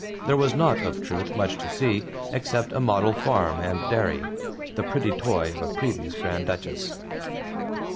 There was not, of truth, much to see except a model farm and dairy the pretty toy of a previous Grand Duchess.